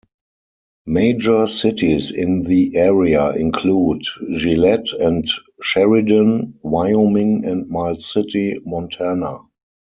Major cities in the area include Gillette and Sheridan, Wyoming and Miles City, Montana.